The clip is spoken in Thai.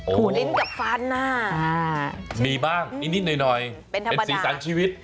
โอ้โหลิ้นกับฟ้านน่ะใช่มั้ยเป็นธรรมดามีนิดหน่อยเป็นสีสารชีวิต